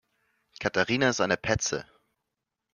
Katharina ist eine Petze.